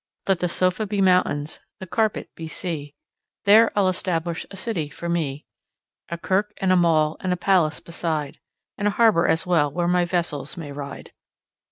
Let the sofa be mountains, the carpet be sea, There I'll establish a city for me: A kirk and a mill and a palace beside, And a harbour as well where my vessels may ride.